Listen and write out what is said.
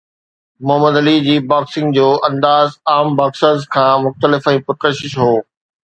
Muhammad Ali جي boxing جو انداز عام باڪسرز کان مختلف ۽ پرڪشش هو.